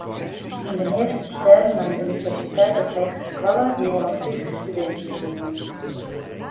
Yn de measte stêden mei in universiteit of hegeskoalle wie wol in Fryske studinteferiening.